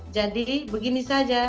jadi begini saja